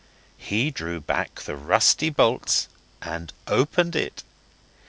He drew back the rusty bolts and opened it.